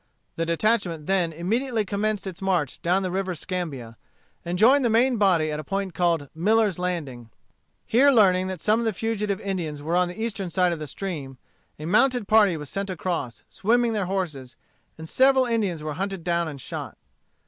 The detachment then immediately commenced its march down the River Scambia, and joined the main body at a point called Miller's Landing. Here learning that some fugitive Indians were on the eastern side of the stream, a mounted party was sent across, swimming their horses, and several Indians were hunted down and shot.